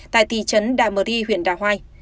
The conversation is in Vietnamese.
tại thị trấn đạ mờ ri huyện đạ hoai